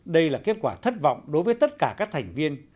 đây là kết quả thất vọng đối với tất cả các thành viên